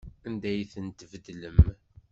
Anda ay ten-tbeddlem?